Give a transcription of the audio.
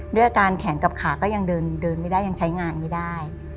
ด้วยอาการแขนกับขาก็ยังเดินไม่ได้ยังใช้งานไม่ได้